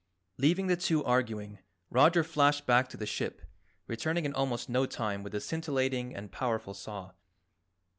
Leaving the two arguing, Roger flashed back to the ship, returning in almost no time with the scintillating and powerful saw.